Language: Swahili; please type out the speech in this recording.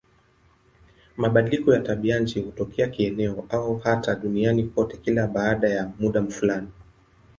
Mabadiliko ya tabianchi hutokea kieneo au hata duniani kote kila baada ya muda fulani.